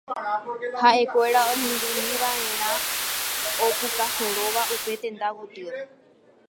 ha'ekuéra ohendúmiva'erã opukasoróva upe tenda gotyo